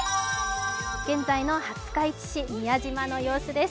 現在の廿日市市、宮島の様子です。